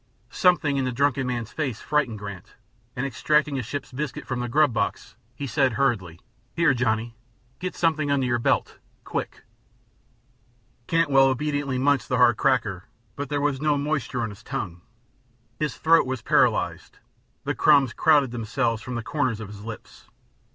Something in the drunken man's face frightened Grant and, extracting a ship's biscuit from the grub box, he said, hurriedly: "Here, Johnny. Get something under your belt, quick." Cantwell obediently munched the hard cracker, but there was no moisture on his tongue; his throat was paralyzed; the crumbs crowded themselves from the corners of his lips.